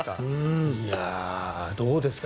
どうですか？